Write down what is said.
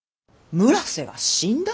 村瀬が死んだ？